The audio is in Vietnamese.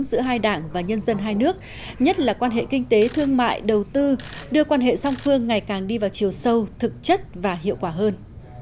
giữa hai đảng và nhân dân hai nước nhất là quan hệ kinh tế thương mại đầu tư đưa quan hệ song phương ngày càng đi vào chiều sâu thực chất và hiệu quả hơn